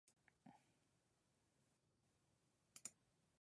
君と夏の終わり将来の希望忘れない